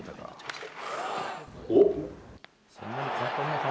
おっ！